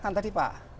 kan tadi pak